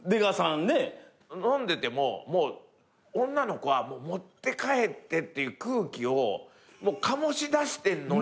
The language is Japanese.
飲んでても女の子は「持って帰って」っていう空気をかもし出してんのに。